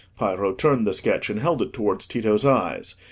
Piero turned the sketch, and held it towards Tito's eyes.